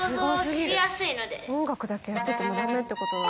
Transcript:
音楽だけやっててもダメってことなんだ。